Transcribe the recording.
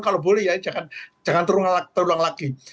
kalau boleh ya jangan terulang lagi